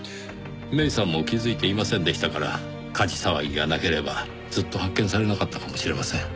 芽依さんも気づいていませんでしたから火事騒ぎがなければずっと発見されなかったかもしれません。